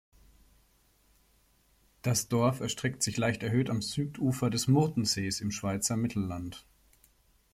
Das Dorf erstreckt sich leicht erhöht am Südufer des Murtensees, im Schweizer Mittelland.